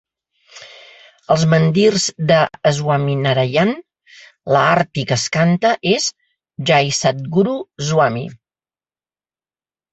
Als mandirs de Swaminarayan, l'aarti que es canta és "Jay Sadguru Swami".